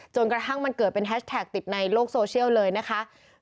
กระทั่งมันเกิดเป็นแฮชแท็กติดในโลกโซเชียลเลยนะคะ